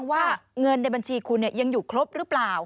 ว่าเงินในบัญชีคุณยังอยู่ครบหรือเปล่า